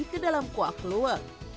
kedalam kuah kluwek